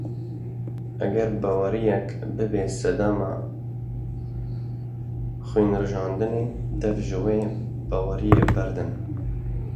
Eger baweriyek bibe sedema xwînrijandinê, dev ji wê baweriyê berdin.